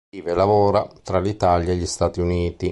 Vive e lavora tra l'Italia e gli Stati Uniti.